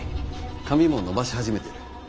髪も伸ばし始めてる。